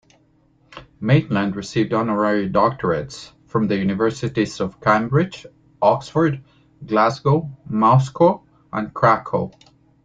Maitland received honorary doctorates from the universities of Cambridge, Oxford, Glasgow, Moscow and Cracow.